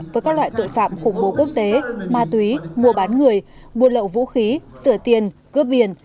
với các loại tội phạm khủng bố quốc tế ma túy mua bán người buôn lậu vũ khí sửa tiền cướp biển